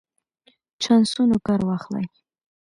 چانسونو کار واخلئ.